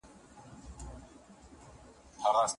اوبه د لېږد لامل نه کېږي.